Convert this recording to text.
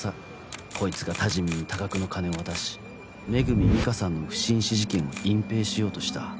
こいつがたじみんに多額の金を渡し恵美佳さんの不審死事件を隠蔽しようとした。